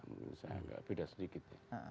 misalnya enggak beda sedikit